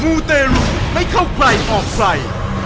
มูเตรุไม่เข้าใครออกใคร